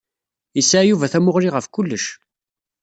Yesɛa Yuba tamuɣli ɣef kullec.